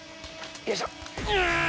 よいしょ！